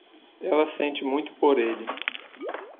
Ela sente muito por ele.